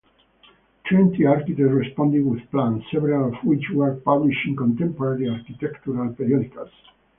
Twenty architects responded with plans, several of which were published in contemporary architectural periodicals.